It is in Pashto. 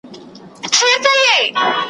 پیاز دي وي په نیاز دي وي `